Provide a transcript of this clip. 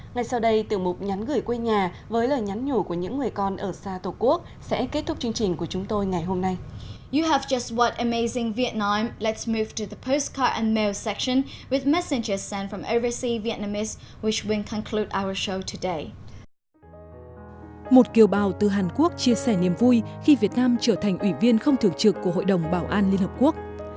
ngay sau đây tiểu mục nhắn gửi quê nhà với lời nhắn nhủ của những người con ở xa tổ quốc